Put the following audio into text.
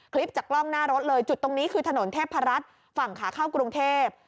คลิปจากกล้องหน้ารถเลยจุดตรงนี้คือถนนเทพรัฐฝั่งขาเข้ากรุงเทพ